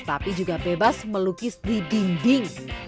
tapi juga bebas melukis di dinding